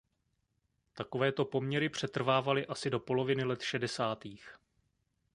Takovéto poměry přetrvávaly asi do poloviny let šedesátých.